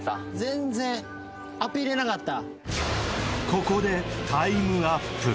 ここでタイムアップ